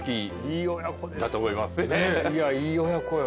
いやいい親子よ。